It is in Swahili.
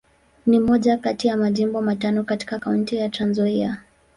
Ni moja kati ya Majimbo matano katika Kaunti ya Trans-Nzoia.